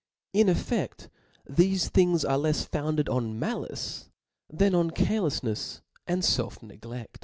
In efFedt, thefe things are kfs founded on malice^ than on carelcflhefs and feif negled.